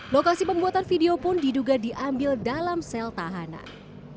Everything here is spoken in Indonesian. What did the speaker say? lokasi pembuatan video pun diduga diambil dalam sel tahanan